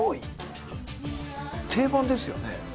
定番ですよね？